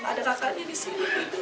ada kakaknya di sini